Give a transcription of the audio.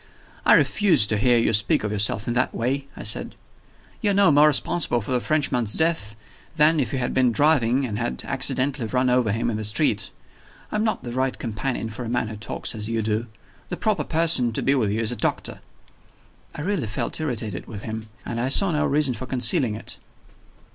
"I refuse to hear you speak of yourself in that way," I said. "You are no more responsible for the Frenchman's death than if you had been driving, and had accidentally run over him in the street. I am not the right companion for a man who talks as you do. The proper person to be with you is a doctor." I really felt irritated with him and I saw no reason for concealing it.